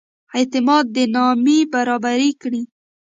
اعتماد نامې برابري کړي.